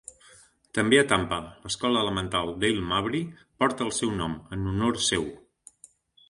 També a Tampa, l'escola elemental Dale Mabry porta el seu nom, en honor seu.